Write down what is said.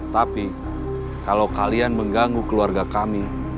tapi kalau kalian mengganggu keluarga kami